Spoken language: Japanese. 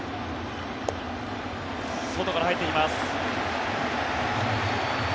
外から入ってきます。